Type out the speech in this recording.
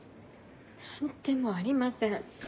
何でもありません。